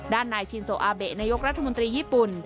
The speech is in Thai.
ด้านนายชินโซอาเบะนายกรัฐมนตรีญี่ปุ่น